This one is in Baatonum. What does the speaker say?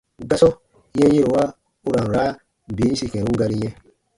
Gasɔ yɛnyɛ̃rowa u ra n raa bin yĩsi kɛ̃run gari yɛ̃.